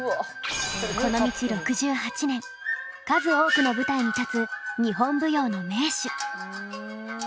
この道６８年数多くの舞台に立つ日本舞踊の名手。